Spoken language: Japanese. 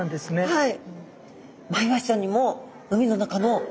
はい。